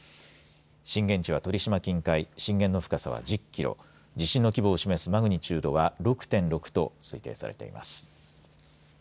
震源地は鳥島近海震源の深さは１０キロ地震の規模を示すマグニチュードは６．６と推定されています。